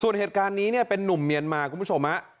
ส่วนเหตุการณ์นี้เนี่ยเป็นนุ่มเมียนมาคุณผู้ชมฮะ